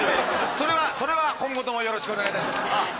それはそれは今後ともよろしくお願いいたします。